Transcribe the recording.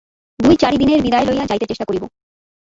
দুই-চারি দিনের বিদায় লইয়া যাইতে চেষ্টা করিব।